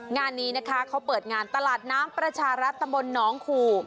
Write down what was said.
งานนี้นะคะเขาเปิดงานตลาดน้ำประชารัฐตะบนน้องคู